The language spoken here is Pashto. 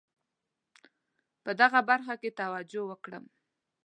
په دغه برخه کې توجه وکړم.